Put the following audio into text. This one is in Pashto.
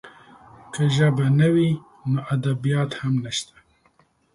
که ژبه نه وي، نو ادبیات هم نشته.